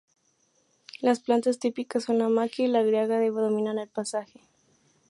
Las plantas típicas son la maquia y la garriga que dominan el paisaje.